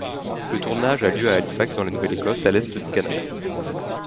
Le tournage a lieu à Halifax dans la Nouvelle-Écosse, à l’Est du Canada.